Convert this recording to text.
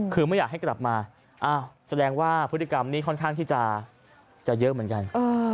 คือไม่อยากให้กลับมาแสดงว่าพฤติกรรมนี้ค่อนข้างที่จะเยอะเหมือนกัน